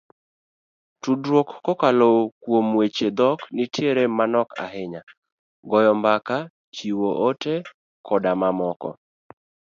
Tudruok kokalo kuom weche dhok nitiere manok ahinya, goyo mbaka, chiwo ote koda mamoko.